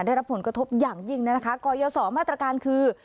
ได้รับผลกระทบอย่างยิ่งนะคะกรยศมาตรการคือ